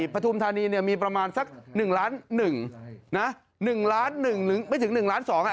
ปฐมีประมาณสัก๑ล้าน๑นะ๑ล้าน๑ไม่ถึง๑ล้าน๒อ่ะ